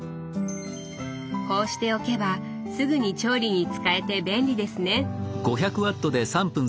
こうしておけばすぐに調理に使えて便利ですね。